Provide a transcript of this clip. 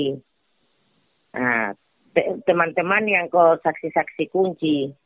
nah teman teman yang saksi saksi kunci